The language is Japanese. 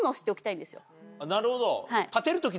なるほど。